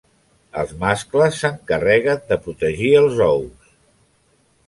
Els mascles s'encarreguen de protegir els ous.